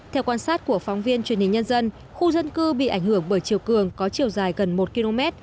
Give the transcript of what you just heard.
theo quan sát của phóng viên truyền hình nhân dân khu dân cư bị ảnh hưởng bởi chiều cường có chiều dài gần một km